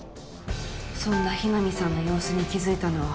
そんな雛見さんの様子に気付いたのは。